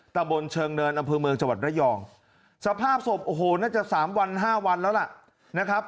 ตะบนเชิงเนินอำเภอเมืองจังหวัดระยองสภาพศพโอ้โหน่าจะสามวันห้าวันแล้วล่ะนะครับ